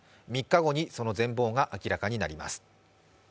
３日後にその全貌が明らかになります。